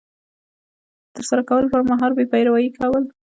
د ترسره کولو پر مهال بې پروایي کول